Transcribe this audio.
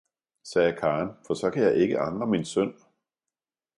sagde Karen, for så kan jeg ikke angre min synd!